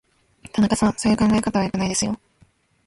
田中さん、そういう考え方は良くないですよ。